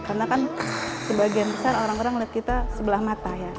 karena kan sebagian besar orang orang lihat kita sebelah mata ya